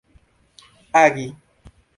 agi